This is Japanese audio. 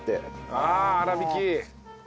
ああ粗びき。